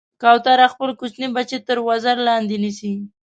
کوتره خپل کوچني بچي تر وزر لاندې نیسي.